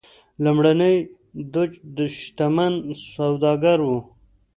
لومړنی دوج شتمن سوداګر و.